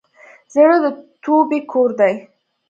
زړه د توبې کور دی.